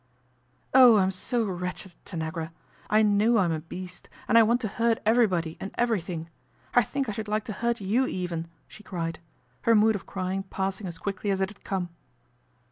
" Oh, I'm so wretched, Tanagra ! I know I'm a beast and I want to hurt everybody and every thing. I think I should like to hurt you even,' she cried, her mood of crying passing as quickly as it had come.